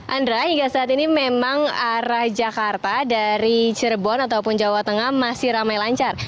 andra hingga saat ini memang arah jakarta dari cirebon ataupun jawa tengah masih ramai lancar